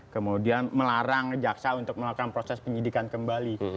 kemudian melarang jaksa untuk melakukan proses penyidikan kembali